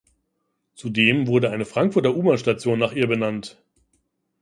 Zudem wurde eine Frankfurter U-Bahn-Station nach ihr benannt.